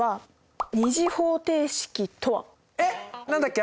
えっ何だっけ？